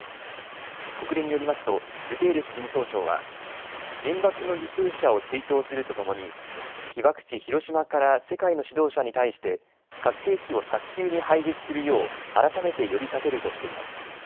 国連によりますとグテーレス事務総長は原爆の犠牲者を追悼するとともに被爆地・広島から世界の指導者に対して核兵器を早急に廃絶するよう改めて呼びかけるとしています。